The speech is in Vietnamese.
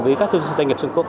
với các doanh nghiệp trung quốc